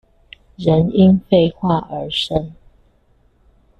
人因廢話而生